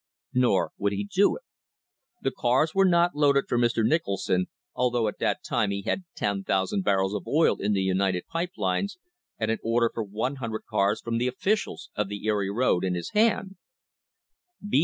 Nor would he do it. The cars were not loaded for Mr. Nicholson, although at that time he had ten thousand barrels of oil in the United Pipe Lines, and an order for 100 cars from the officials of the Erie road in his hand.